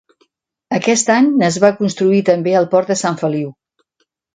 Aquest any es va construir també el port de Sant Feliu.